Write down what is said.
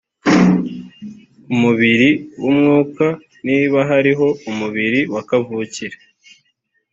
umubiri w umwuka niba hariho umubiri wa kavukire